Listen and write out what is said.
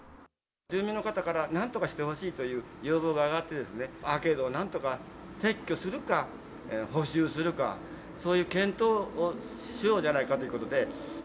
住民の方から何とかしてほしいという要望が上がってですね、アーケードをなんとか撤去するか、補修するか、そういう検討をしようじゃないかということで。